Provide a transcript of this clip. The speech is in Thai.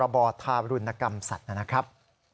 สวัสดีครับ